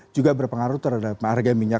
juga berpengaruh terhadap harga minyak